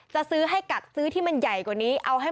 จะซื้อให้กัดซื้อที่มันใหญ่กว่านี้เอาให้